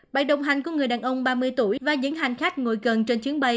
bài đồng hành của người đàn ông ba mươi tuổi và những hành khách ngồi gần trên chuyến bay